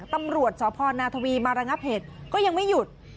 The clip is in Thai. ตำรวจสพนาทวีมาระงับเหตุก็ยังไม่หยุด